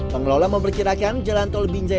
pengelola memperkirakan jalan tol binjai